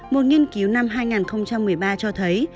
một nghiên cứu năm hai nghìn một mươi ba cho thấy